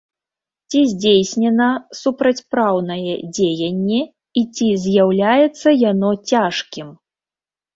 Ці здзейснена супрацьпраўнае дзеянне і ці з'яўляецца яно цяжкім?